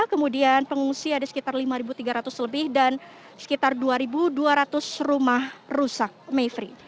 kemudian pengungsi ada sekitar lima tiga ratus lebih dan sekitar dua dua ratus rumah rusak mayfrey